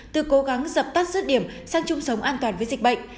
từ cố gắng dập tắt rứt điểm sang chung sống an toàn với dịch bệnh